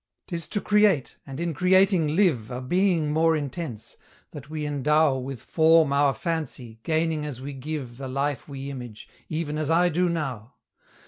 'Tis to create, and in creating live A being more intense, that we endow With form our fancy, gaining as we give The life we image, even as I do now.